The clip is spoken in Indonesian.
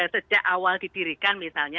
sejak awal ditirikan misalnya